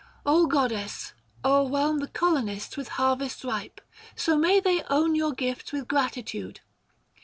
goddesses, o'erwhelni the colonists With harvests ripe ; so may they own your gifts 730 With gratitude.